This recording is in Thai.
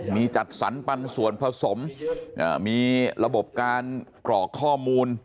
มีจัดสรรปันส่วนผสมมีระบบการกรอกข้อมูล